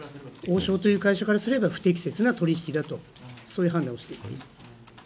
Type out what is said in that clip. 王将という会社からすれば、不適切な取り引きだと、そういう判断をしております。